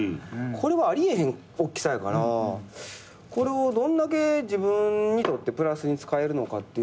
これはあり得へんおっきさやからこれをどんだけ自分にとってプラスに使えるのかっていうのは。